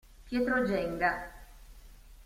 Pietro Genga